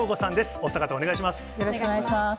お二方お願いします。